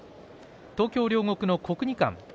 東京・両国の国技館。